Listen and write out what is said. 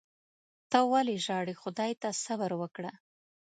ته ولي ژاړې . خدای ته صبر وکړه